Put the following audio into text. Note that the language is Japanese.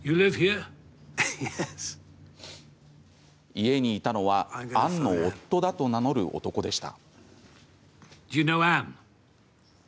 家にいたのはアンの夫だと名乗る男でした。